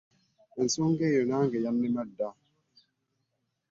Ensonga eyo nange yannema dda.